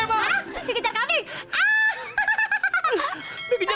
gara gara lu be